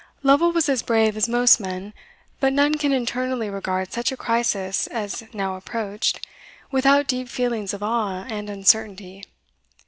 Lovel was as brave as most men; but none can internally regard such a crisis as now approached, without deep feelings of awe and uncertainty.